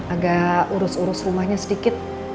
agak urus urus rumahnya sedikit